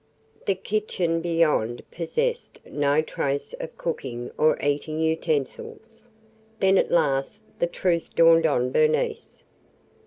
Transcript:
The kitchen beyond possessed no trace of cooking or eating utensils. Then at last the truth dawned on Bernice.